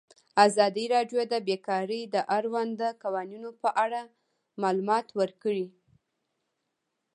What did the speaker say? ازادي راډیو د بیکاري د اړونده قوانینو په اړه معلومات ورکړي.